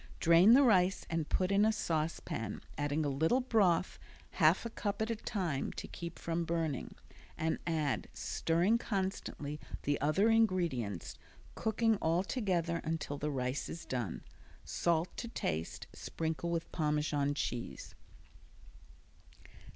Drain the rice and put in a saucepan, adding a little broth, half a cup at a time, to keep from burning, and add, stirring constantly, the other ingredients, cooking all together until the rice is done. Salt to taste; sprinkle with Parmesan cheese.